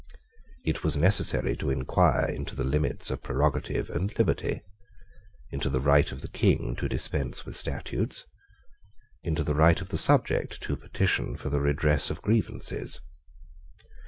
It was necessary to inquire into the limits of prerogative and liberty, into the right of the King to dispense with statutes, into the right of the subject to petition for the redress of grievances.